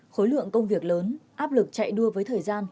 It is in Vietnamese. khối lượng công việc lớn áp lực chạy đua với thời gian